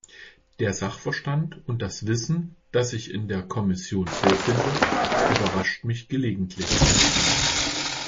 Der Sachverstand und das Wissen, das ich in der Kommission vorfinde, überrascht mich gelegentlich.